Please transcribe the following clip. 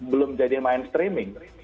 belum jadi main streaming